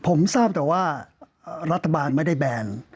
ผมทราบแต่ว่ารัฐบาลไม่ได้แบน